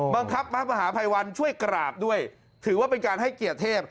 บังคับพระมหาภัยวันช่วยกราบด้วยถือว่าเป็นการให้เกียรติเทพ